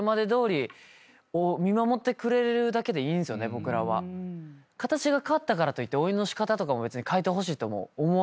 僕らは。形が変わったからといって応援の仕方とかも変えてほしいとも思わないので。